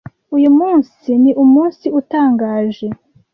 Uyu munsi ni umunsi utangaje.